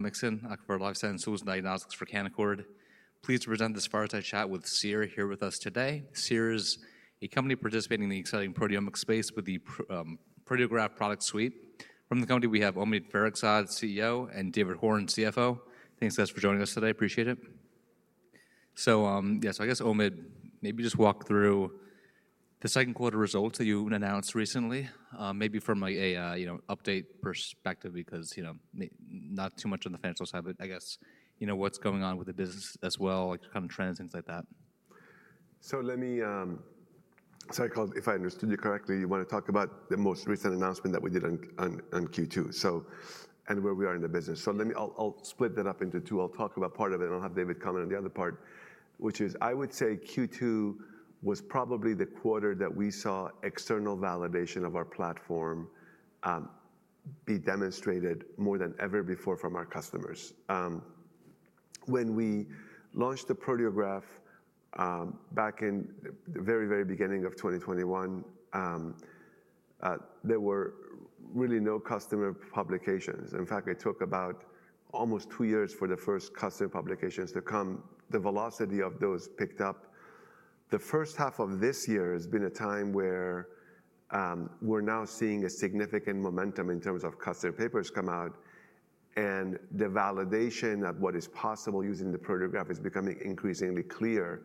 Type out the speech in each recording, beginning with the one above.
Mikson, Aquifer Life Sciences and Diagnostics for Canaccord. Pleased to present this fireside chat with Seer here with us today. Seer is a company participating in the exciting proteomics space with the Proteograph Product Suite. From the company, we have Omid Farokhzad, CEO, and David Horn, CFO. Thanks, guys, for joining us today. I appreciate it. So, yeah, so I guess, Omid, maybe just walk through the second quarter results that you announced recently, maybe from a you know update perspective, because, you know, not too much on the financial side, but I guess, you know, what's going on with the business as well, like kind of trends, things like that. If I understood you correctly, you wanna talk about the most recent announcement that we did on Q2, and where we are in the business. So let me. I'll split that up into two. I'll talk about part of it, and I'll have David comment on the other part, which is, I would say Q2 was probably the quarter that we saw external validation of our platform be demonstrated more than ever before from our customers. When we launched the Proteograph back in the very, very beginning of 2021, there were really no customer publications. In fact, it took about almost two years for the first customer publications to come. The velocity of those picked up. The first half of this year has been a time where, we're now seeing a significant momentum in terms of customer papers come out, and the validation of what is possible using the Proteograph is becoming increasingly clear,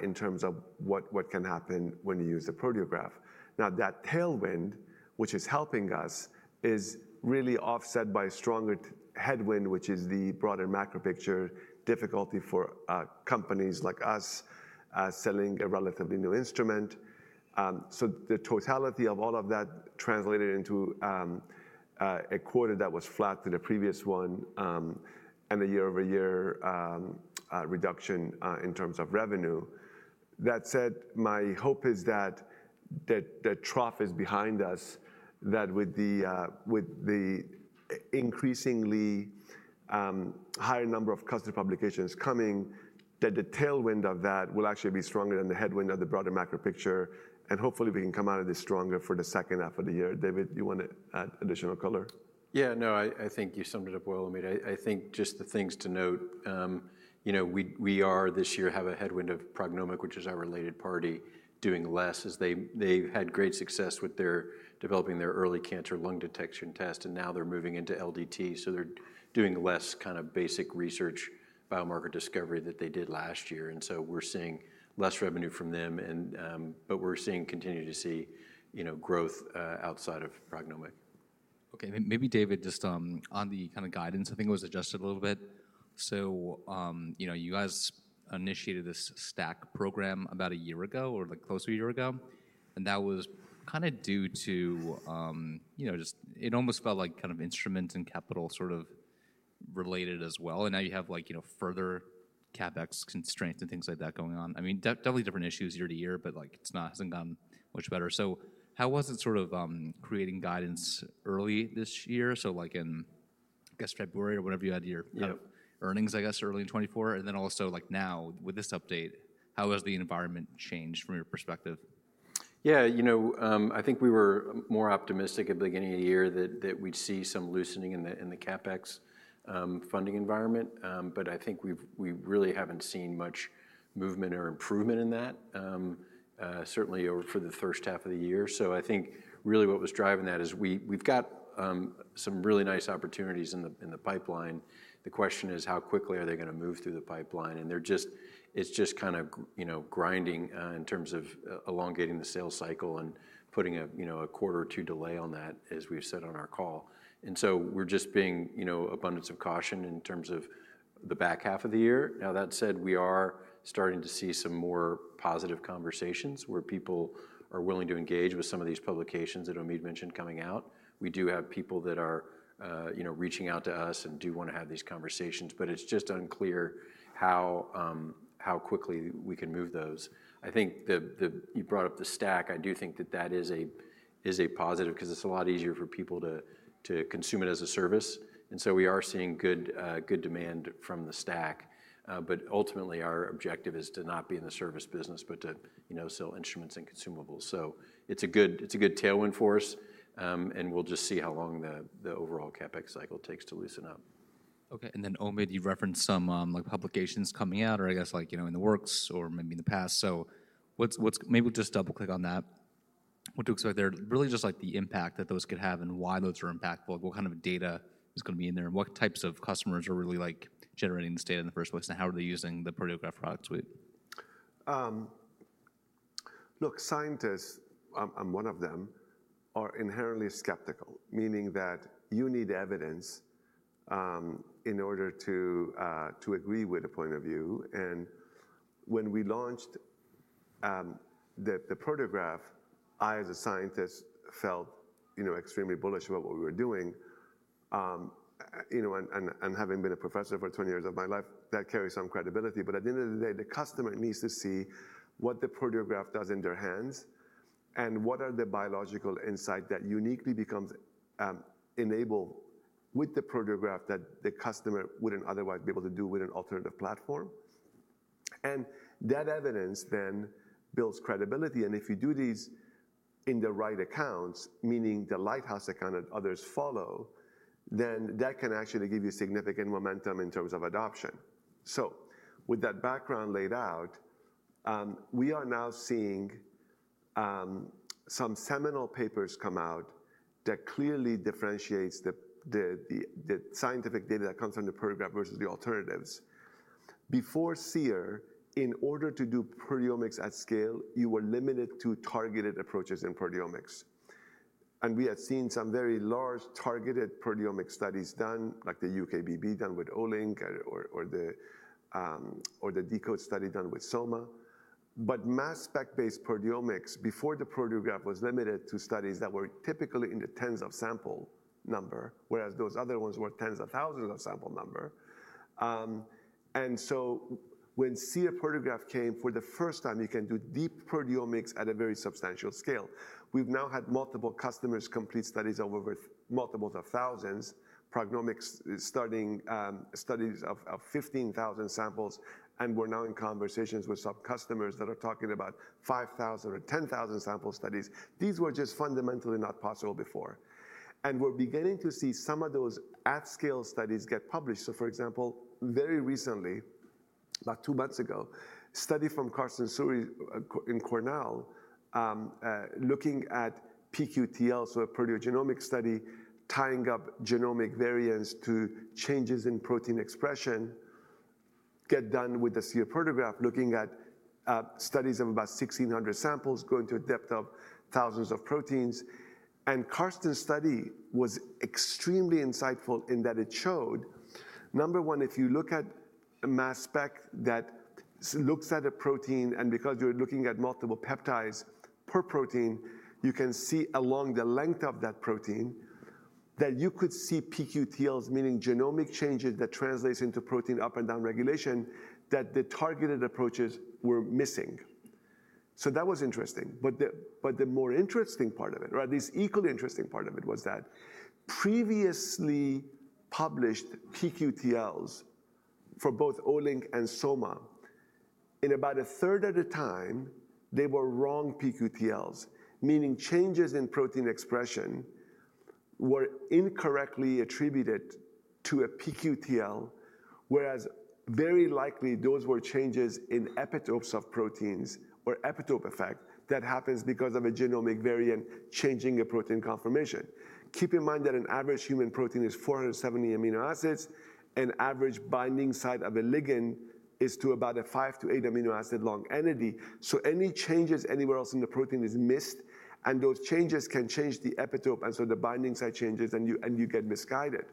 in terms of what, what can happen when you use a Proteograph. Now, that tailwind, which is helping us, is really offset by a stronger headwind, which is the broader macro picture difficulty for, companies like us, selling a relatively new instrument. So the totality of all of that translated into, a quarter that was flat to the previous one, and a year-over-year, reduction, in terms of revenue. That said, my hope is that the trough is behind us, that with the increasingly higher number of customer publications coming, that the tailwind of that will actually be stronger than the headwind of the broader macro picture, and hopefully, we can come out of this stronger for the second half of the year. David, you want to add additional color? Yeah, no, I, I think you summed it up well, Omid. I, I think just the things to note, you know, we are this year have a headwind of PrognomiQ, which is our related party, doing less as they've had great success with their developing their early cancer lung detection test, and now they're moving into LDT. So they're doing less kind of basic research, biomarker discovery that they did last year, and so we're seeing less revenue from them and, but we're seeing continue to see, you know, growth outside of PrognomiQ. Okay. Maybe, David, just, on the kind of guidance, I think it was adjusted a little bit. So, you know, you guys initiated this STAC program about a year ago, or, like, close to a year ago, and that was kinda due to, you know, just it almost felt like kind of instruments and capital sort of related as well. And now you have, like, you know, further CapEx constraints and things like that going on. I mean, definitely different issues year-to-year, but, like, it's not, hasn't gotten much better. So how was it sort of, creating guidance early this year? So, like in, I guess, February or whenever you had your- Yeah... earnings, I guess, early in 2024, and then also, like now, with this update, how has the environment changed from your perspective? Yeah, you know, I think we were more optimistic at the beginning of the year that we'd see some loosening in the CapEx funding environment. But I think we've really haven't seen much movement or improvement in that, certainly over for the first half of the year. So I think really what was driving that is we've got some really nice opportunities in the pipeline. The question is: How quickly are they gonna move through the pipeline? And they're just, it's just kind of, you know, grinding in terms of elongating the sales cycle and putting a, you know, a quarter or two delay on that, as we've said on our call. And so we're just being, you know, abundance of caution in terms of the back half of the year. Now, that said, we are starting to see some more positive conversations, where people are willing to engage with some of these publications that Omid mentioned coming out. We do have people that are, you know, reaching out to us and do wanna have these conversations, but it's just unclear how, how quickly we can move those. I think. You brought up the STAC. I do think that that is a positive 'cause it's a lot easier for people to consume it as a service, and so we are seeing good demand from the STAC. But ultimately, our objective is to not be in the service business, but to, you know, sell instruments and consumables. So it's a good tailwind for us, and we'll just see how long the overall CapEx cycle takes to loosen up. Okay, and then, Omid, you've referenced some like publications coming out or I guess like you know in the works or maybe in the past. So what's maybe we'll just double-click on that. What to expect there? Really just like the impact that those could have and why those are impactful like what kind of data is gonna be in there and what types of customers are really like generating this data in the first place and how are they using the Proteograph Product Suite? Look, scientists, I'm one of them, are inherently skeptical, meaning that you need evidence in order to agree with a point of view. And when we launched the Proteograph, I, as a scientist, felt, you know, extremely bullish about what we were doing. You know, and having been a professor for 20 years of my life, that carries some credibility. But at the end of the day, the customer needs to see what the Proteograph does in their hands and what are the biological insight that uniquely becomes enabled with the Proteograph that the customer wouldn't otherwise be able to do with an alternative platform. That evidence then builds credibility, and if you do these in the right accounts, meaning the lighthouse account that others follow, then that can actually give you significant momentum in terms of adoption. So with that background laid out, we are now seeing some seminal papers come out that clearly differentiates the scientific data that comes from the Proteograph versus the alternatives. Before Seer, in order to do proteomics at scale, you were limited to targeted approaches in proteomics. And we had seen some very large targeted proteomic studies done, like the UKBB done with Olink or the deCODE study done with SomaLogic. But mass spec-based proteomics before the Proteograph was limited to studies that were typically in the tens of sample number, whereas those other ones were tens of thousands of sample number. And so when Seer Proteograph came, for the first time, you can do deep proteomics at a very substantial scale. We've now had multiple customers complete studies over multiples of thousands. PrognomiQ is starting studies of 15,000 samples, and we're now in conversations with some customers that are talking about 5,000 or 10,000 sample studies. These were just fundamentally not possible before, and we're beginning to see some of those at-scale studies get published. So, for example, very recently, about two months ago, a study from Karsten Suhre in Cornell looking at pQTL, so a proteogenomic study, tying up genomic variants to changes in protein expression, get done with the Seer Proteograph, looking at studies of about 1,600 samples, going to a depth of 1,000s of proteins. Karsten's study was extremely insightful in that it showed, number one, if you look at a mass spec that looks at a protein, and because you're looking at multiple peptides per protein, you can see along the length of that protein, that you could see pQTLs, meaning genomic changes that translates into protein up and down regulation, that the targeted approaches were missing. So that was interesting, but the more interesting part of it, right, this equally interesting part of it, was that previously published pQTLs for both Olink and Soma, in about a 1/3 of the time, they were wrong pQTLs, meaning changes in protein expression were incorrectly attributed to a pQTL, whereas very likely those were changes in epitopes of proteins or epitope effect that happens because of a genomic variant changing a protein conformation. Keep in mind that an average human protein is 470 amino acids, and average binding site of a ligand is to about a five-eight amino acid long entity. So any changes anywhere else in the protein is missed, and those changes can change the epitope, and so the binding site changes, and you get misguided.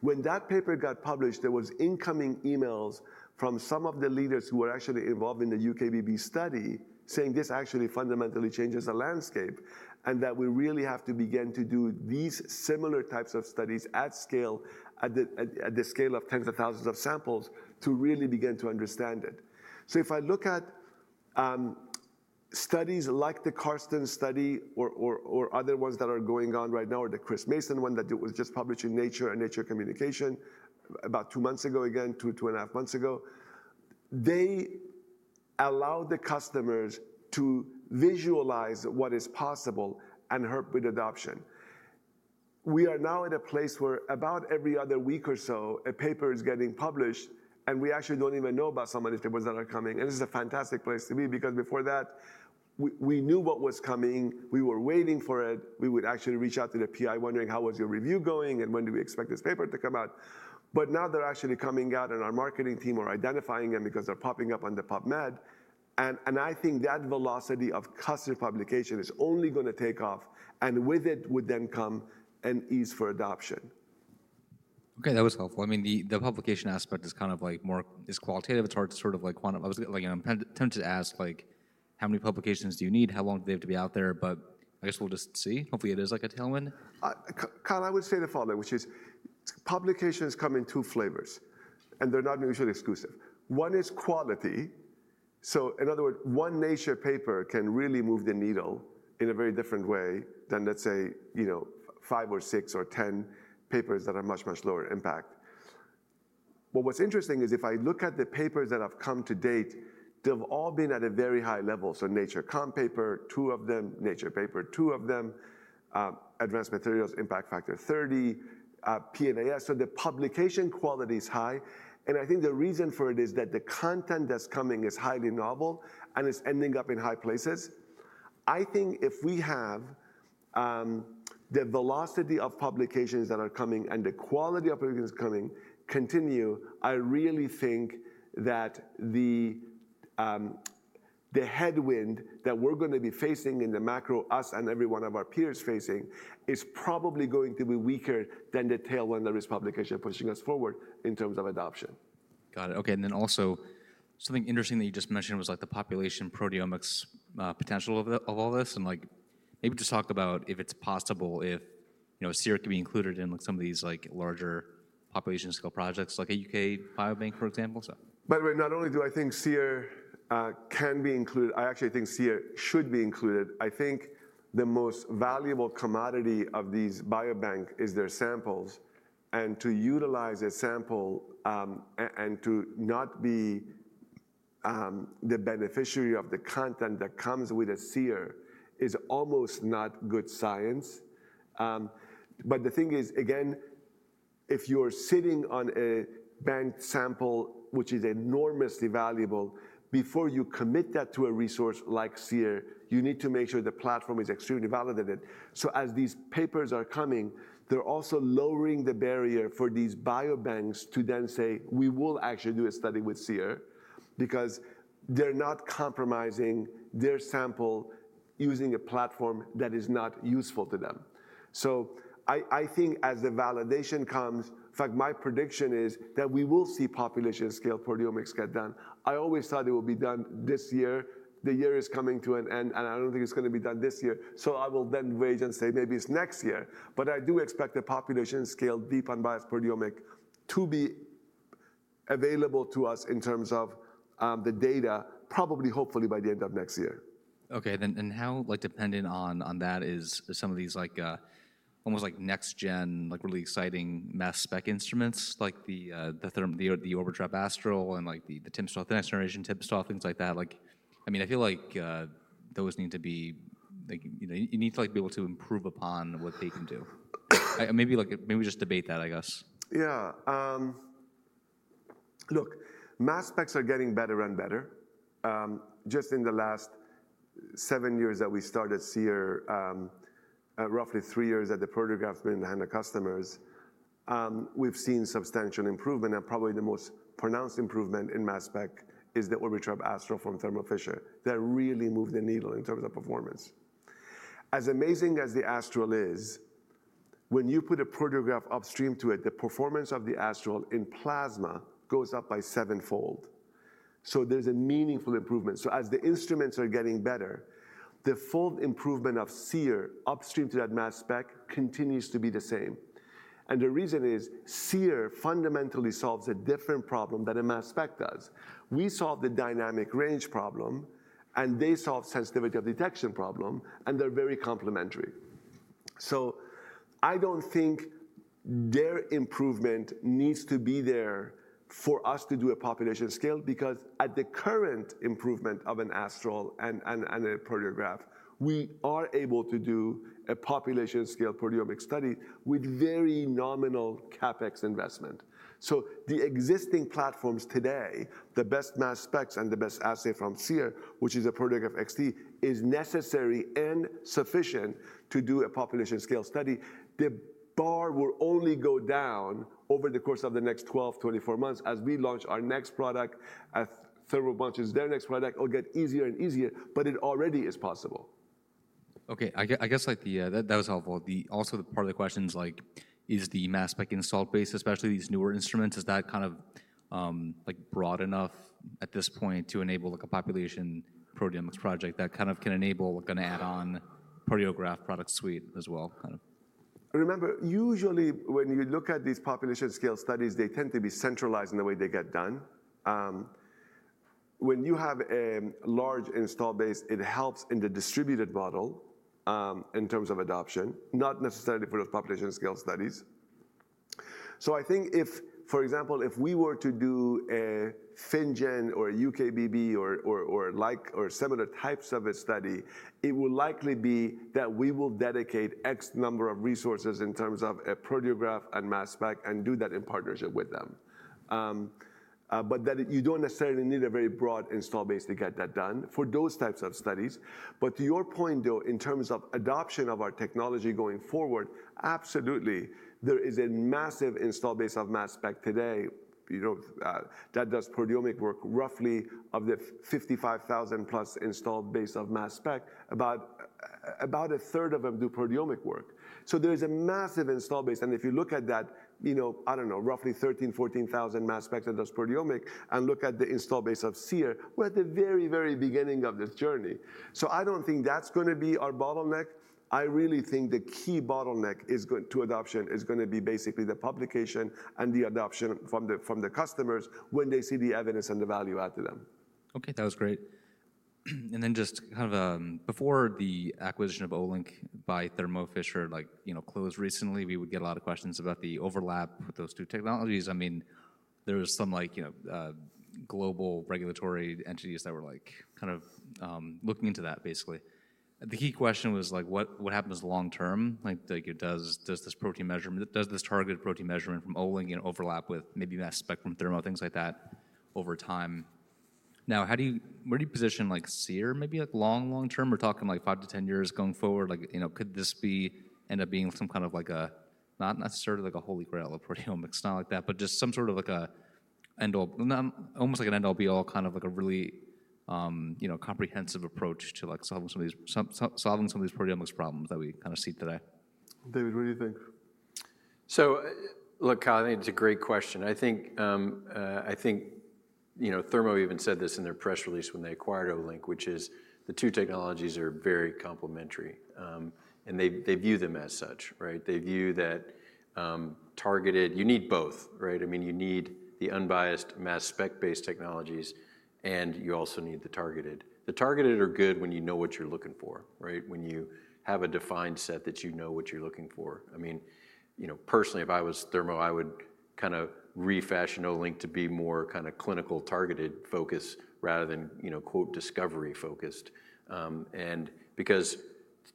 When that paper got published, there was incoming emails from some of the leaders who were actually involved in the UKBB study, saying, "This actually fundamentally changes the landscape, and that we really have to begin to do these similar types of studies at scale, at the scale of ten of thousands of samples, to really begin to understand it." So if I look at studies like the Karsten study or other ones that are going on right now, or the Chris Mason one that it was just published in Nature and Nature Communications about two months ago, again, 2.5 months ago, they allowed the customers to visualize what is possible and help with adoption. We are now at a place where about every other week or so, a paper is getting published, and we actually don't even know about some of these papers that are coming, and this is a fantastic place to be because before that, we knew what was coming. We were waiting for it. We would actually reach out to the PI, wondering: How was your review going, and when do we expect this paper to come out? But now they're actually coming out, and our marketing team are identifying them because they're popping up on the PubMed, and I think that velocity of customer publication is only gonna take off, and with it would then come an ease for adoption. Okay, that was helpful. I mean, the publication aspect is kind of like more... It's qualitative. It's hard to sort of like quantum- I was, like, I'm tempted to ask, like, how many publications do you need? How long do they have to be out there? But I guess we'll just see. Hopefully, it is like a tailwind. Kyle, I would say the following, which is, publications come in two flavors, and they're not mutually exclusive. One is quality. So in other words, one Nature paper can really move the needle in a very different way than, let's say, you know, five or six or 10 papers that are much, much lower impact. But what's interesting is, if I look at the papers that have come to date, they've all been at a very high level, so Nature Comp paper, two of them, Nature paper, two of them, Advanced Materials, impact factor 30, PNAS. So the publication quality is high, and I think the reason for it is that the content that's coming is highly novel, and it's ending up in high places. I think if we have the velocity of publications that are coming and the quality of publications coming continue, I really think that the headwind that we're gonna be facing in the macro, us and every one of our peers facing, is probably going to be weaker than the tailwind that is publication pushing us forward in terms of adoption. Got it. Okay, and then also, something interesting that you just mentioned was, like, the population proteomics potential of all this, and, like, maybe just talk about if it's possible, if, you know, Seer can be included in, like, some of these, like, larger population-scale projects, like a UK Biobank, for example, so. By the way, not only do I think Seer can be included, I actually think Seer should be included. I think the most valuable commodity of these biobanks is their samples, and to utilize a sample, and to not be the beneficiary of the content that comes with a Seer is almost not good science. But the thing is, again, if you're sitting on a biobank sample, which is enormously valuable, before you commit that to a resource like Seer, you need to make sure the platform is extremely validated. So as these papers are coming, they're also lowering the barrier for these biobanks to then say, "We will actually do a study with Seer," because they're not compromising their sample using a platform that is not useful to them. So I think as the validation comes, in fact, my prediction is that we will see population-scale proteomics get done. I always thought it would be done this year. The year is coming to an end, and I don't think it's gonna be done this year, so I will then wait and say maybe it's next year. But I do expect the population-scale deep unbiased proteomic to be available to us in terms of the data, probably hopefully by the end of next year. Okay, then, and how, like, dependent on, on that is some of these like, almost like next gen, like, really exciting mass spec instruments, like the Orbitrap Astral and, like, the timsTOF, the next generation timsTOF, things like that? Like, I mean, I feel like, those need to be, like, you know, you need to, like, be able to improve upon what they can do. Maybe like, maybe just debate that, I guess. Yeah. Look, mass specs are getting better and better. Just in the last seven years that we started Seer, roughly three years that the Proteograph been in the hand of customers, we've seen substantial improvement, and probably the most pronounced improvement in mass spec is the Orbitrap Astral from Thermo Fisher. That really moved the needle in terms of performance. As amazing as the Astral is, when you put a Proteograph upstream to it, the performance of the Astral in plasma goes up by seven-fold. So there's a meaningful improvement. So as the instruments are getting better, the fold improvement of Seer upstream to that mass spec continues to be the same, and the reason is, Seer fundamentally solves a different problem than a mass spec does. We solve the dynamic range problem, and they solve sensitivity of detection problem, and they're very complementary. So I don't think their improvement needs to be there for us to do a population scale, because at the current improvement of an Astral and a Proteograph, we are able to do a population-scale proteomic study with very nominal CapEx investment. So the existing platforms today, the best mass specs and the best assay from Seer, which is a Proteograph XT, is necessary and sufficient to do a population-scale study. The bar will only go down over the course of the next 12-24 months as we launch our next product, as Thermo launches their next product, it'll get easier and easier, but it already is possible. Okay, I guess, like, that was helpful. Also, the part of the question is, like, is the mass spec install base, especially these newer instruments, kind of broad enough at this point to enable, like, a population proteomics project that kind of can enable, like, an add-on Proteograph Product Suite as well, kind of? Remember, usually when you look at these population scale studies, they tend to be centralized in the way they get done. When you have a large install base, it helps in the distributed model in terms of adoption, not necessarily for those population scale studies. So I think if, for example, if we were to do a FinnGen or UKBB or like, or similar types of a study, it will likely be that we will dedicate X number of resources in terms of a Proteograph and mass spec and do that in partnership with them. But that you don't necessarily need a very broad install base to get that done for those types of studies. But to your point, though, in terms of adoption of our technology going forward, absolutely, there is a massive install base of mass spec today, you know, that does proteomic work. Roughly of the 55,000+ installed base of mass spec, about a 1/3 of them do proteomic work. So there is a massive install base, and if you look at that, you know, I don't know, roughly 13,000 mass specs-14,000 mass specs that does proteomic, and look at the install base of Seer, we're at the very, very beginning of this journey. So I don't think that's gonna be our bottleneck. I really think the key bottleneck to adoption is gonna be basically the publication and the adoption from the, from the customers when they see the evidence and the value add to them. Okay, that was great. And then just kind of, before the acquisition of Olink by Thermo Fisher, like, you know, closed recently, we would get a lot of questions about the overlap with those two technologies. I mean, there was some like, you know, global regulatory entities that were like, kind of, looking into that, basically. The key question was, like, what, what happens long term? Like, like does, does this protein measurement, does this targeted protein measurement from Olink, you know, overlap with maybe mass spec from Thermo, things like that over time? Now, how do you, where do you position, like, Seer, maybe, like, long, long term? We're talking, like, five-10 years going forward. Like, you know, could this be, end up being some kind of like a, not necessarily like a holy grail of proteomics, it's not like that, but just some sort of like a end all, almost like an end all be all, kind of like a really, you know, comprehensive approach to, like, solving some of these, solving some of these proteomics problems that we kind of see today? David, what do you think?... So, look, Kyle, I think it's a great question. I think, you know, Thermo even said this in their press release when they acquired Olink, which is the two technologies are very complementary. And they, they view them as such, right? They view that targeted. You need both, right? I mean, you need the unbiased mass spec-based technologies, and you also need the targeted. The targeted are good when you know what you're looking for, right? When you have a defined set that you know what you're looking for. I mean, you know, personally, if I was Thermo, I would kind of refashion Olink to be more kind of clinical targeted focus rather than, you know, quote, "discovery focused." And because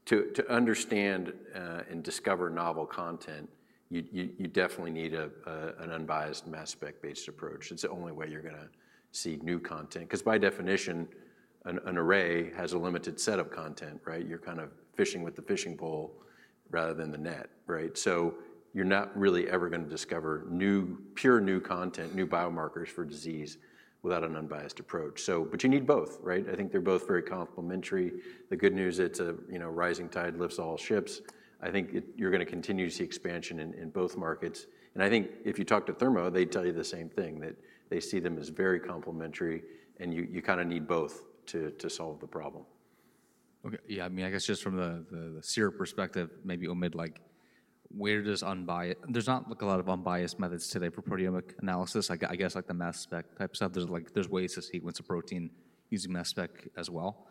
to understand and discover novel content, you definitely need an unbiased mass spec-based approach. It's the only way you're gonna see new content, 'cause by definition, an array has a limited set of content, right? You're kind of fishing with the fishing pole rather than the net, right? So you're not really ever gonna discover new, pure new content, new biomarkers for disease without an unbiased approach. So, but you need both, right? I think they're both very complementary. The good news, it's a, you know, rising tide lifts all ships. I think it, you're gonna continue to see expansion in, in both markets. And I think if you talk to Thermo, they'd tell you the same thing, that they see them as very complementary, and you, you kinda need both to, to solve the problem. Okay. Yeah, I mean, I guess just from the Seer perspective, maybe omit, like, where does unbiased - there's not, like, a lot of unbiased methods today for proteomic analysis. I guess, like, the mass spec type stuff. There's, like, there's ways to sequence a protein using mass spec as well.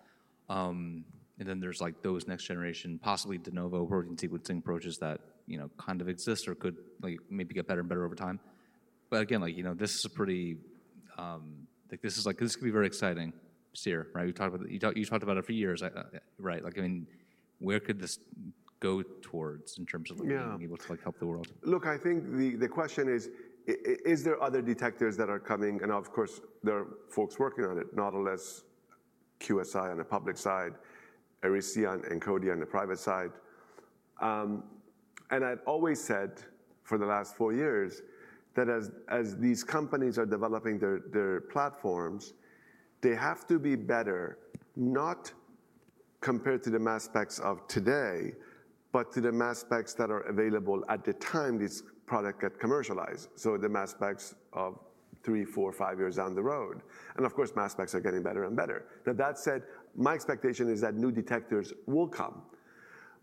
And then there's, like, those next generation, possibly de novo protein sequencing approaches that, you know, kind of exist or could, like, maybe get better and better over time. But again, like, you know, this is a pretty, like, this is like, this could be very exciting, Seer, right? You talked about, you talked, you talked about it for years. I right. Like, I mean, where could this go towards in terms of- Yeah... being able to, like, help the world? Look, I think the question is, is there other detectors that are coming? And, of course, there are folks working on it, Nautilus, QSi on the public side, Erisyon and Encodia on the private side. And I've always said, for the last four years, that as these companies are developing their platforms, they have to be better, not compared to the mass specs of today, but to the mass specs that are available at the time this product got commercialized, so the mass specs of three, four, five years down the road. And of course, mass specs are getting better and better. Now, that said, my expectation is that new detectors will come.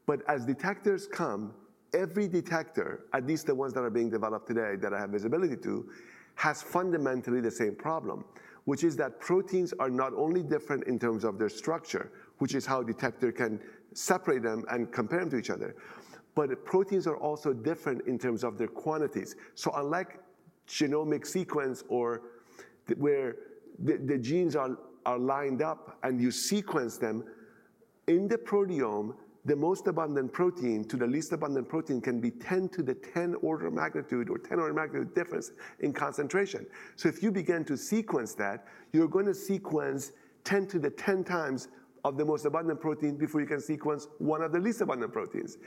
But as detectors come, every detector, at least the ones that are being developed today that I have visibility to, has fundamentally the same problem, which is that proteins are not only different in terms of their structure, which is how a detector can separate them and compare them to each other, but proteins are also different in terms of their quantities. So unlike genomic sequence or where the genes are lined up and you sequence them, in the proteome, the most abundant protein to the least abundant protein can be 10^10 order of magnitude or 10 order of magnitude difference in concentration. So if you begin to sequence that, you're gonna sequence 10^10 times of the most abundant protein before you can sequence one of the least abundant proteins.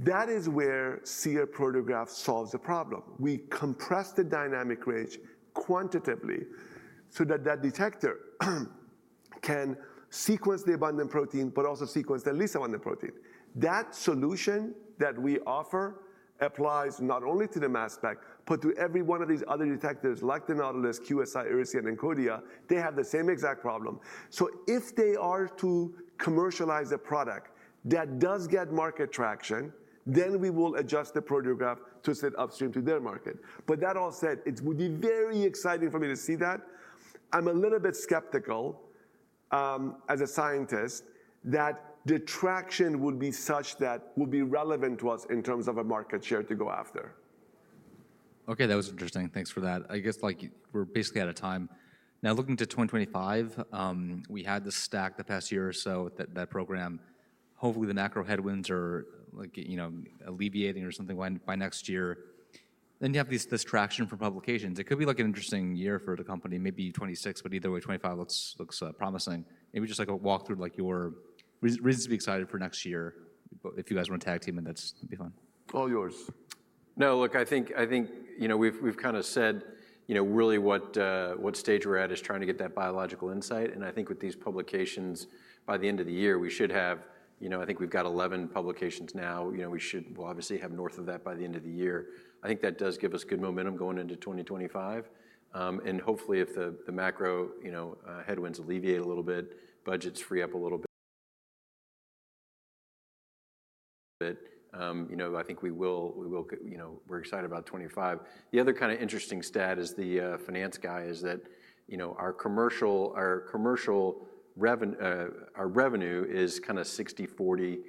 That is where Seer Proteograph solves the problem. We compress the dynamic range quantitatively so that that detector can sequence the abundant protein, but also sequence the least abundant protein. That solution that we offer applies not only to the mass spec, but to every one of these other detectors, like the Nautilus, QSi, Erisyon, and Encodia. They have the same exact problem. So if they are to commercialize a product that does get market traction, then we will adjust the Proteograph to sit upstream to their market. But that all said, it would be very exciting for me to see that. I'm a little bit skeptical, as a scientist, that the traction would be such that would be relevant to us in terms of a market share to go after. Okay, that was interesting. Thanks for that. I guess, like, we're basically out of time. Now, looking to 2025, we had the STAC the past year or so, that, that program. Hopefully, the macro headwinds are, like, you know, alleviating or something by, by next year. Then you have these, this traction from publications. It could be, like, an interesting year for the company, maybe 2026, but either way, 2025 looks, looks, promising. Maybe just, like, a walkthrough, like, your reasons to be excited for next year. But if you guys wanna tag team, then that's. It'd be fine. All yours. No, look, I think, I think, you know, we've, we've kinda said, you know, really what, what stage we're at, is trying to get that biological insight. I think with these publications, by the end of the year, we should have. You know, I think we've got 11 publications now. You know, we should, we'll obviously have north of that by the end of the year. I think that does give us good momentum going into 2025. And hopefully, if the macro, you know, headwinds alleviate a little bit, budgets free up a little bit, you know, I think we will, you know, we're excited about 2025. The other kind of interesting stat as the finance guy is that, you know, our commercial revenue is kinda 60/40,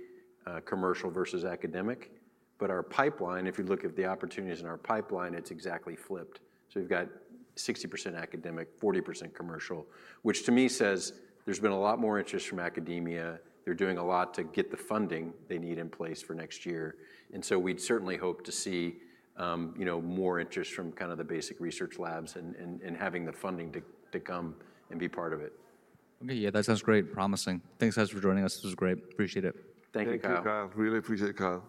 commercial versus academic. But our pipeline, if you look at the opportunities in our pipeline, it's exactly flipped. So we've got 60% academic, 40% commercial, which to me says there's been a lot more interest from academia. They're doing a lot to get the funding they need in place for next year. And so we'd certainly hope to see, you know, more interest from kind of the basic research labs and having the funding to come and be part of it. Okay, yeah, that sounds great, promising. Thanks, guys, for joining us. This was great. Appreciate it. Thank you, Kyle. Thank you, Kyle. Really appreciate it, Kyle.